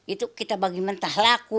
itu kita bagi mentah laku